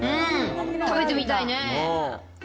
食べてみたいね。